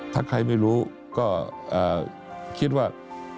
ถ้าใครไม่รู้ก็คิดว่า